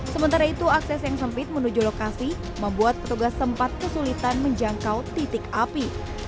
sementara itu akses yang sempit menuju lokasi membuat petugas sempat kesulitan menjangkau titik api